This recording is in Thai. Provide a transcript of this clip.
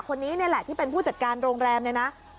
คนนี้นี่แหละที่เป็นผู้จัดการโรงแรมเนี่ยนะ